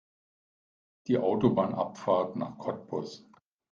Die Autobahnabfahrt nach Cottbus